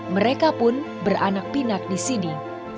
mereka pun beranak pinak di sini